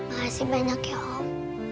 makasih banyak ya om